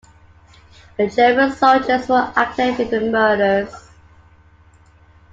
The German soldiers were active in the murders.